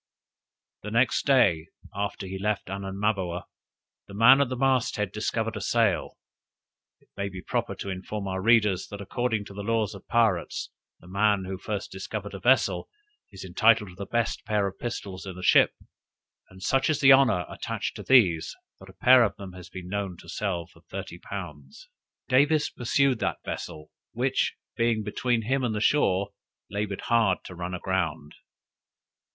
The next day after he left Anamaboa, the man at the mast head discovered a sail. It may be proper to inform our readers, that, according to the laws of pirates, the man who first discovers a vessel, is entitled to the best pair of pistols in the ship, and such is the honor attached to these, that a pair of them has been known to sell for thirty pounds. Davis pursued that vessel, which, being between him and the shore, labored hard to run aground.